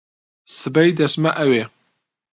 سبەی دەچمە ئەوێ.